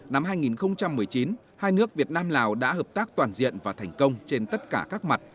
năm hai nghìn một mươi chín hai nước việt nam lào đã hợp tác toàn diện và thành công trên tất cả các mặt